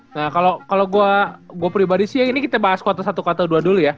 nah kalo gue pribadi sih ini kita bahas quarter satu quarter dua dulu ya